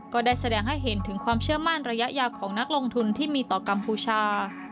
ก็ได้แสดงให้เห็นถึงความเชื่อมั่นระยะยาวของนักลงทุนที่มีต่อกัมพูชา